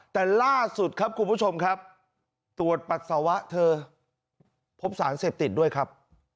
แต่ล่าสุดครับคุณผู้ชมครับตรวจปัสสาวะเธอพบสารเสพติดด้วยครับ